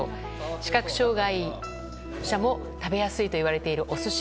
視覚障碍者も食べやすいといわれるお寿司。